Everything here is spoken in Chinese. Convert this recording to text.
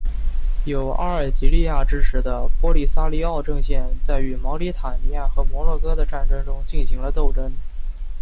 由阿尔及利亚支持的波利萨里奥阵线在与毛里塔尼亚和摩洛哥的战争中进行了斗争。